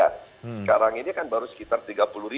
sekarang ini kan baru sekitar tiga puluh